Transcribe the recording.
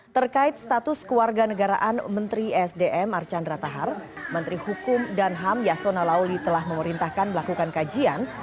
terkait status keluarga negaraan menteri sdm archandra tahar menteri hukum dan ham yasona lauli telah memerintahkan melakukan kajian